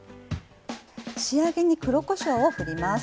仕上げに黒こしょうを振ります。